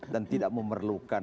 dan tidak memerlukan